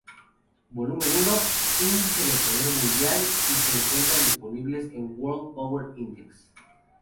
Volumen I: Índice de Poder Mundial", y se encuentran disponibles en World Power Index.